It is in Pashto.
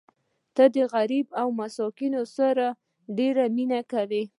ته د غریبو او مسکینانو سره ډېره مینه کوې.